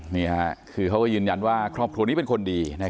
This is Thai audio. นี่ค่ะคือเขาก็ยืนยันว่าครอบครัวนี้เป็นคนดี